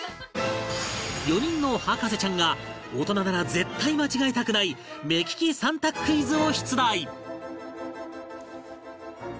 ４人の博士ちゃんが大人なら絶対間違えたくない目利き３択クイズを出題